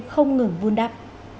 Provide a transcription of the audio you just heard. không ngừng vun đắp